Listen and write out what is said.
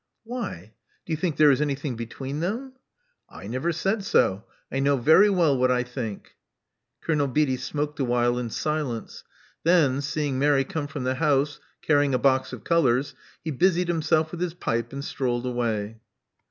" Why? Do you think there is anything between them?" *'I never said so. I know very well what I think." Colonel Beatty smoked a while in silence. Then, seeing Mary come from the house, carrying a box of colors, he busied himself with his pipe, and strolled away.